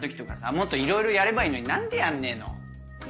もっといろいろやればいいのに何でやんねえの？